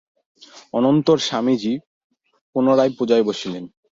অনন্তর স্বামীজী পুনরায় পূজায় বসিলেন।